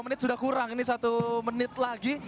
dua menit sudah kurang ini satu menit lagi